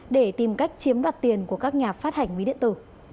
để tìm cách chiếm đoạt tiền của các nhà phát hành ví điện tử